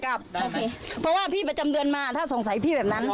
ซับไว้ประจำเดือนมาถ้าสงสัยไม่ไปบ้าน